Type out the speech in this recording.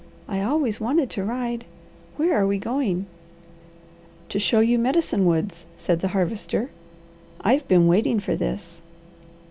"I always wanted to ride! Where are we going?" "To show you Medicine Woods," said the Harvester. "I've been waiting for this.